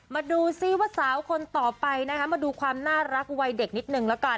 มาดูซิว่าสาวคนต่อไปมาดูความน่ารักตอนวัยเด็กนิดนึง